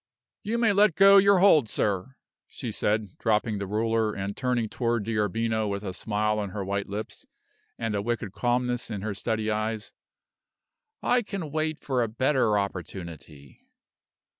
"You may let go your hold, sir," she said, dropping the ruler, and turning toward D'Arbino with a smile on her white lips and a wicked calmness in her steady eyes. "I can wait for a better opportunity."